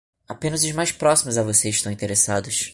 Apenas os mais próximos a você estão interessados.